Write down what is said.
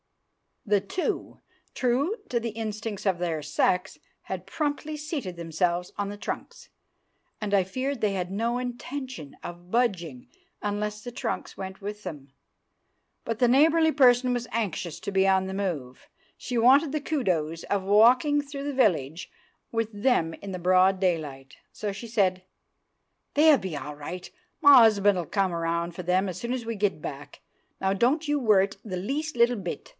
The two, true to the instincts of their sex, had promptly seated themselves on the trunks, and I feared they had no intention of budging unless the trunks went with them. But the neighbourly person was anxious to be on the move; she wanted the kudos of walking through the village with them in the broad daylight, so she said— "They'll be all right; my 'usband'll come round for them soon as we get back. Now don't you worrit the least little bit."